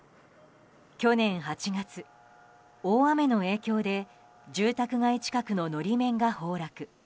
去年８月、大雨の影響で住宅街近くの法面が崩落。